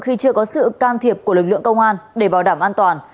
khi chưa có sự can thiệp của lực lượng công an để bảo đảm an toàn